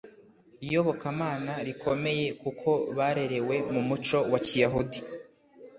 iyobokamana rikomeye kuko barerewe mu muco wa kiyahudi